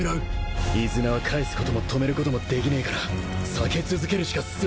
飯綱は返すことも止めることもできねえから避け続けるしかすべがねえ